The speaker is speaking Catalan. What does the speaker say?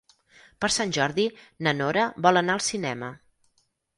Per Sant Jordi na Nora vol anar al cinema.